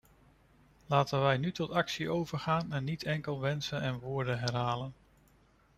Laten wij nu tot actie overgaan en niet enkel wensen en woorden herhalen.